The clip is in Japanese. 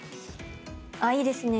いいですね。